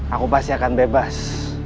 aku pasti akan bebas